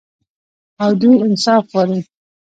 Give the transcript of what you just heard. او دوی انصاف غواړي.